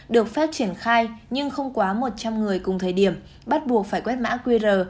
được phép triển khai nhưng không quá một trăm linh người cùng thời điểm bắt buộc phải quét mã qr